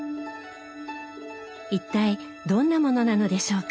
一体どんなものなのでしょうか。